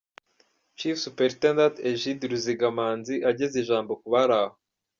Chief Superintendent Egide Ruzigamanzi ageza ijambo ku bari aho.